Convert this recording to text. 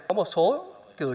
có một số cử tri